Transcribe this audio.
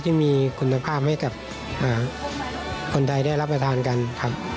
ที่มีคุณภาพให้กับคนใดได้รับประทานกันครับ